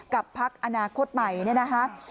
กับพักอนาคตใหม่นะครับ